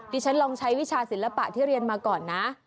ดิฉันลองใช้วิชาศิลปะที่เรียนมาก่อนนะ